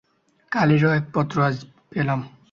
কালীরও এক পত্র আজ পেলাম।